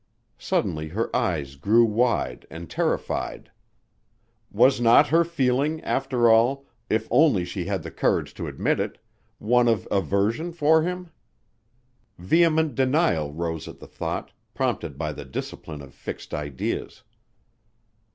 Suddenly her eyes grew wide and terrified. Was not her feeling, after all, if only she had the courage to admit it, one of aversion for him? Vehement denial rose at the thought, prompted by the discipline of fixed ideas.